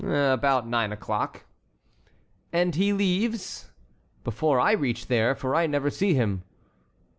"About nine o'clock." "And he leaves?" "Before I reach there, for I never see him."